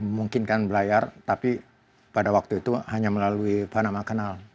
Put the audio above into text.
mungkin kan belayar tapi pada waktu itu hanya melalui panama canal